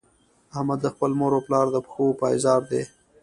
احمد د خپل مور او پلار د پښو پایزار دی.